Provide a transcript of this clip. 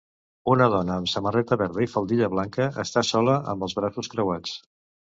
Una dona amb samarreta verda i faldilla blanca està sola amb els braços creuats.